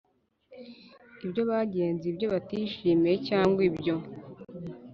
ibyo bagenzuye ibyo batishimiye cyangwa ibyo